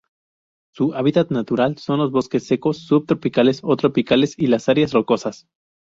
Su hábitat natural son los bosques secos subtropicales o tropicales y las áreas rocosas.